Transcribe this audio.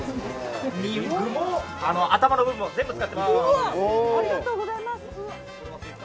頭の部分も全部使ってます。